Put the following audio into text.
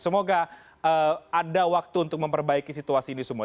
semoga ada waktu untuk memperbaiki situasi ini semua